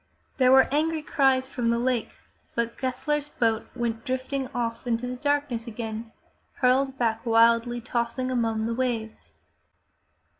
There were angry cries from the lake, but Gessler's boat went drifting off into the darkness again, hurled back wildly tossing among the waves.